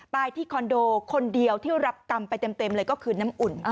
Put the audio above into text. ที่คอนโดคนเดียวที่รับกรรมไปเต็มเลยก็คือน้ำอุ่น